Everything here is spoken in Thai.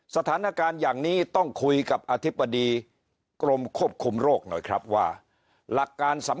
สถานการณ์อย่างนี้ต้องคุยกับอธิบดีกรมควบคุมโรคหน่อยครับว่า